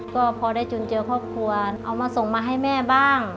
ก็พอได้จุนเจอครอบครัวเอามาส่งมาให้แม่บ้าง